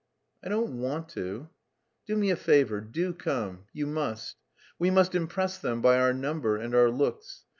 "I don't want to." "Do me a favour. Do come. You must. We must impress them by our number and our looks.